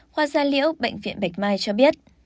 khoa gia liễu bệnh viện bạch mai cho biết